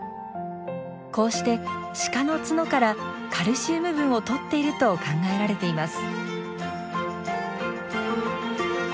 こうしてシカの角からカルシウム分をとっていると考えられています。